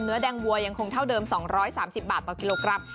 แดงวัวยังคงเท่าเดิม๒๓๐บาทต่อกิโลกรัม